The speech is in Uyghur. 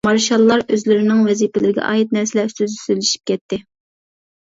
مارشاللار ئۆزلىرىنىڭ ۋەزىپىلىرىگە ئائىت نەرسىلەر ئۈستىدە سۆزلىشىپ كەتتى.